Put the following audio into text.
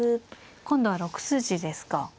今度は６筋ですか。